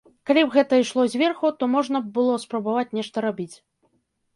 Калі б гэта ішло зверху, то можна б было спрабаваць нешта рабіць.